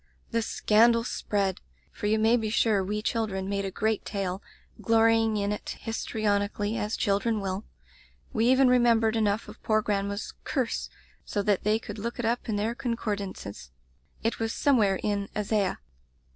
"The scandal spread, for you may be sure we children made a great tale; glorying in it, histrionically, as children will. We even re membered enough of poor grandma's 'curse * so that they could look it up in their con cordances. It was somewhere in Isaiah.